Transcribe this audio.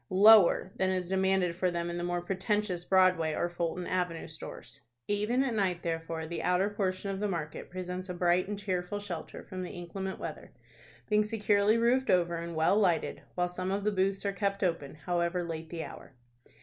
lower than is demanded for them in the more pretentious Broadway or Fulton Avenue stores. Even at night, therefore, the outer portion of the market presents a bright and cheerful shelter from the inclement weather, being securely roofed over, and well lighted, while some of the booths are kept open, however late the hour.